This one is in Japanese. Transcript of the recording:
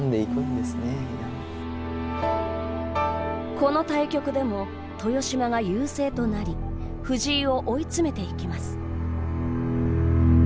この対局でも豊島が優勢となり藤井を追い詰めていきます。